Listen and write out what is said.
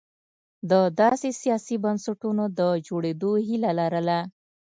د داسې سیاسي بنسټونو د جوړېدو هیله لرله.